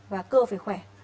và cơ phải khỏe